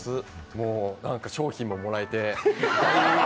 商品ももらえて。